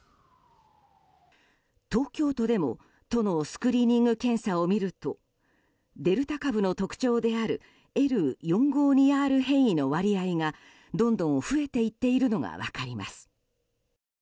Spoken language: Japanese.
東京都でも都のスクリーニング検査を見るとデルタ株の特徴であるＬ４５２Ｒ変異の割合がどんどん増えていっているのが分かります。